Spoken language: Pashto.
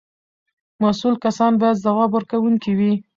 مسؤل کسان باید ځواب ورکوونکي وي.